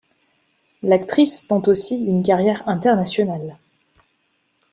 L'actrice tente aussi une carrière internationale.